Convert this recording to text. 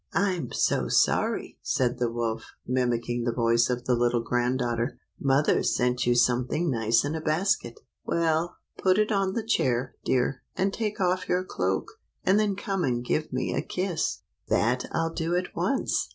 " I'm so sorry," said the wolf, mimicking the voice of the little grand daughter. " Mother's sent you something nice in a basket." "Well, put it on a chair, dear, and take off your cloak; and then come and give me a kiss." 60 LITTLE RED RIDING HOOD. "That I'll do at once!"